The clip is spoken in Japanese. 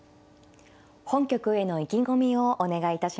本局への意気込みをお願いいたします。